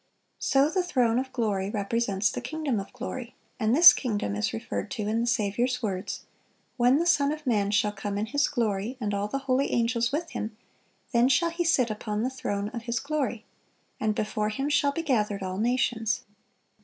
So the throne of glory represents the kingdom of glory; and this kingdom is referred to in the Saviour's words, "When the Son of man shall come in His glory, and all the holy angels with Him, then shall He sit upon the throne of His glory: and before Him shall be gathered all nations."